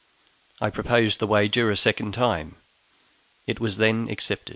I proposed the wager a second time; it was then accepted.